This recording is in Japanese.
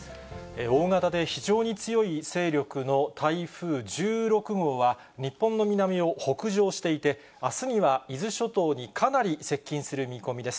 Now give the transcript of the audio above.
大型で非常に強い勢力の台風１６号は、日本の南を北上していて、あすには伊豆諸島にかなり接近する見込みです。